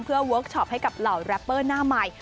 เพื่อเวิร์คชอปให้กับเหล่าแรปเปอร์หน้าใหม่